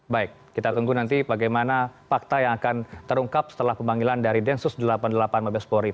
baik kita tunggu nanti bagaimana fakta yang akan terungkap setelah pemanggilan dari densus delapan puluh delapan mabespori